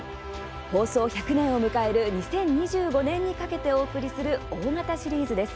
放送１００年を迎える２０２５年にかけてお送りする大型シリーズです。